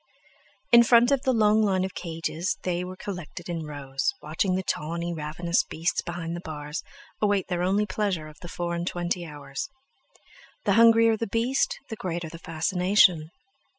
In front of the long line of cages they were collected in rows, watching the tawny, ravenous beasts behind the bars await their only pleasure of the four and twenty hours. The hungrier the beast, the greater the fascination.